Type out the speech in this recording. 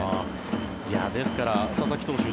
ですから、佐々木投手